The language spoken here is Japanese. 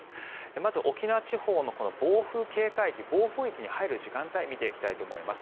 まず沖縄地方の暴風警戒域暴風域に入る時間帯見ていきたいと思います。